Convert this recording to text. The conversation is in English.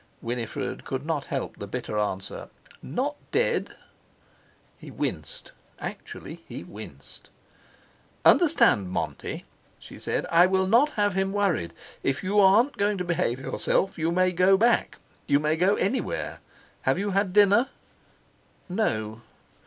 Winifred could not help the bitter answer: "Not dead." He winced, actually he winced. "Understand, Monty," she said, "I will not have him worried. If you aren't going to behave yourself, you may go back, you may go anywhere. Have you had dinner?" No.